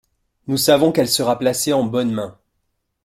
Nous savons qu’elle sera placée en bonnes mains.